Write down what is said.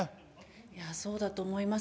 いやそうだと思います。